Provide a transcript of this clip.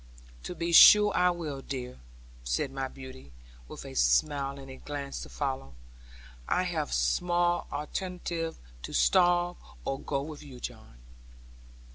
'To be sure I will, dear,' said my beauty, with a smile and a glance to follow it; 'I have small alternative, to starve, or go with you, John.'